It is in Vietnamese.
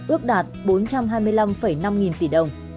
ước đạt bốn trăm hai mươi năm năm nghìn tỷ đồng